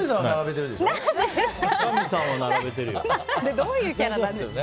どういうキャラなんですか。